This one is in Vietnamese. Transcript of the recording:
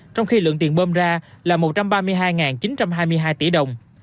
trong khi lượng tiền bơm ra là một trăm ba mươi hai chín trăm hai mươi hai tỷ đồng